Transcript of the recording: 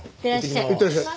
いってらっしゃい。